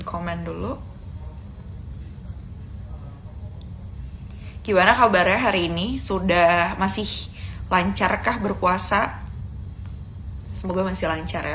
comment dulu gimana kabarnya hari ini sudah masih lancarkah berpuasa semoga masih lancarnya